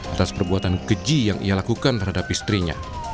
atas perbuatan keji yang ia lakukan terhadap istrinya